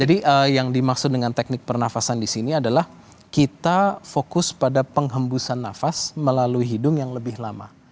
jadi yang dimaksud dengan teknik pernafasan disini adalah kita fokus pada penghembusan nafas melalui hidung yang lebih lama